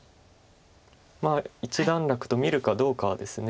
まあ一段落と見るかどうかはですね